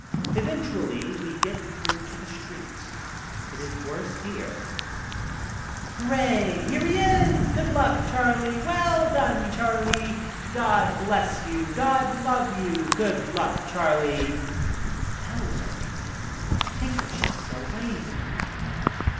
Eventually we get through to the street. It is worse here. "Hooray!" "Here he is!" "Good luck, Charlie!" '' Well done, Chariie !"" God bless you. God love you !" "Good luck, Charlie!" Bells are ringing. Handkerchiefs are waving.